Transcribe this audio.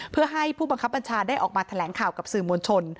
เพื่อให้ผู้บังคับบัญชาได้ออกมาแถลงข่าวกับสื่อมวลชน